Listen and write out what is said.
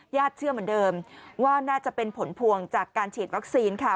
เชื่อเหมือนเดิมว่าน่าจะเป็นผลพวงจากการฉีดวัคซีนค่ะ